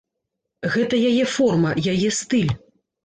Гэта яе форма, яе стыль.